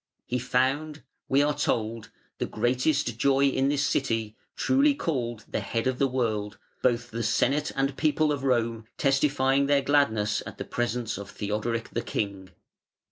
"He found", we are told, "the greatest joy in this City, truly called 'the head of the world,' both the Senate and People of Rome testifying their gladness at the presence of Theodoric the King.